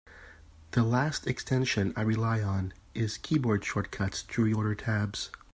The last extension I rely on is Keyboard Shortcuts to Reorder Tabs.